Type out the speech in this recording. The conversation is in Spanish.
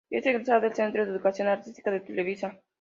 Es egresada del "Centro de Educación Artística de Televisa.